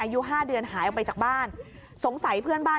อายุห้าเดือนหายออกไปจากบ้านสงสัยเพื่อนบ้าน